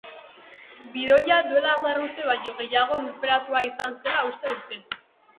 Bidoia duela hamar urte baino gehiago lurperatua izan zela uste dute.